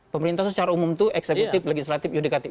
pemerintah secara umum itu eksekutif legislatif yudikatif